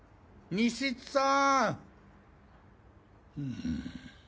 西津さん？